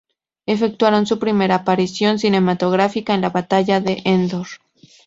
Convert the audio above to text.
Efectuaron su primera aparición cinematográfica en la batalla de Endor.